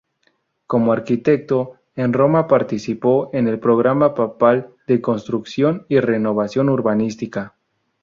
Como arquitecto, en Roma, participó en el programa Papal de construcción y renovación urbanística.